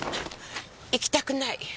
行きたくない。